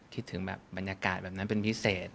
คิดถึงแบบบรรยากาศแบบนั้นเป็นพิเศษ